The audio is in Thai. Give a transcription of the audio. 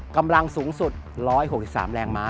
กำลังสูงสุด๑๖๓แรงม้า